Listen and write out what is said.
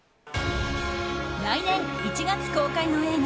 来年１月公開の映画